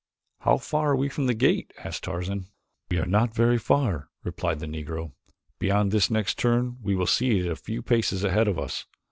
"How far are we from the gate?" asked Tarzan. "We are not very far," replied the Negro. "Beyond this next turn we will see it a few paces ahead of us.